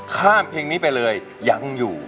ข้ามเพลงนี้ไปเลยยังอยู่